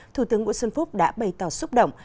thủ tướng nguyễn xuân phúc đã bày tỏ xúc động